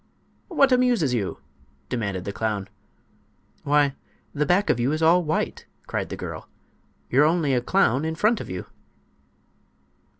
"What amuses you?" demanded the clown. "Why, the back of you is all white!" cried the girl. "You're only a clown in front of you."